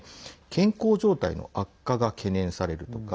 健康状態の悪化が懸念されるとか